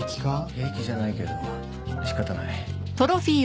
平気じゃないけど仕方ない。